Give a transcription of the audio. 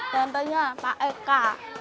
tentunya pak eka